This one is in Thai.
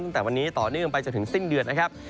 ตั้งแต่วันนี้ต่อเนื่องไปจนถึงสิ้นเดือนนะครับ